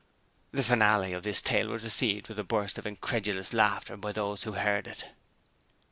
The finale of this tale was received with a burst of incredulous laughter by those who heard it.